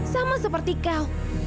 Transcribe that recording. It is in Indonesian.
sama seperti kau